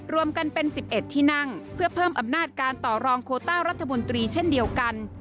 รวมกันเป็น๑๑ที่นั่งเพื่อเพิ่มอำนาจการต่อรองโคต้ารัฐมนตรีเช่นเดียวกัน